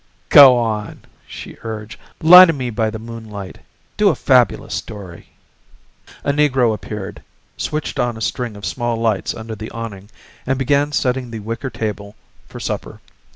"Go on," she urged. "Lie to me by the moonlight. Do a fabulous story." A negro appeared, switched on a string of small lights under the awning, and began setting the wicker table for supper.